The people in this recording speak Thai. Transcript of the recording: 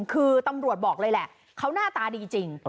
คือตำรวจบอกเลยแหละเขาหน้าตาดีจริง